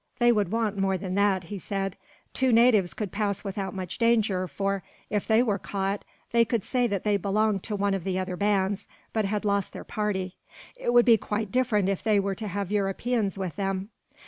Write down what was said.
"They would want more for that," he said. "Two natives could pass without much danger for, if they were caught, they could say that they belonged to one of the other bands, but had lost their party. It would be quite different if they were to have Europeans with them.